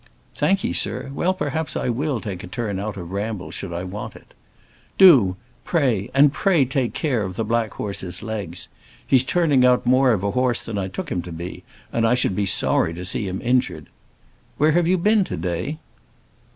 "Thank'ee, sir. Well, perhaps I will take a turn out of Ramble should I want it." "Do, and pray, pray take care of that black horse's legs. He's turning out more of a horse than I took him to be, and I should be sorry to see him injured. Where have you been to day?"